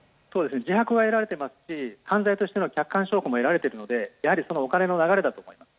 自白は得られていますし犯罪としての客観証拠も得られていますのでやはりお金の流れだと思います。